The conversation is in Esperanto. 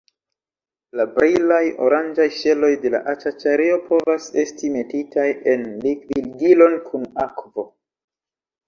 La brilaj oranĝaj ŝeloj de la aĉaĉario povas esti metitaj en likvigilon kun akvo.